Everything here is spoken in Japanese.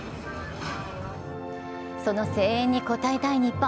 その声援に応えたい日本。